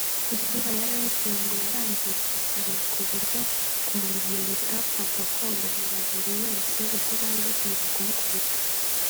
Isura ya Radio ngo yarangiritse cyane ku buryo kumumenya bitapfaga koroherera buri wese ubwo bari bakimara kumukubita